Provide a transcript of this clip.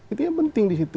itu yang penting di situ